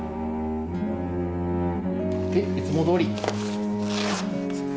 いつもどおり。